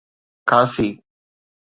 خاصي